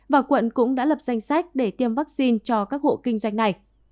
và quận cũng đã lập danh sách để tiêm vaccine cho các hộ kinh doanh này